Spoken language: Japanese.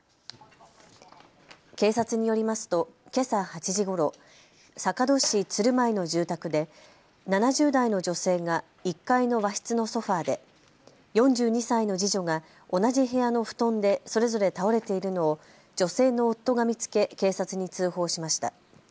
警察によりますとけさ８時ごろ、坂戸市鶴舞の住宅で７０代の女性が１階の和室のソファーで、４２歳の次女が同じ部屋の布団でそれぞれ倒れているのを女性の夫が見つけ警察に通報しました。